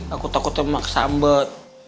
aku takutin ma kesambet